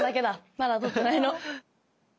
まだ取ってないの。